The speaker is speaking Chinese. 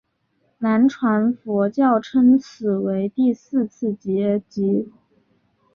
南传佛教称此为第四次结集。